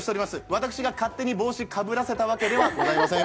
私が勝手に帽子、かぶらせたわけではございません。